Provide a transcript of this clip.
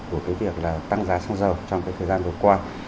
của việc tăng giá xăng dầu trong thời gian vừa qua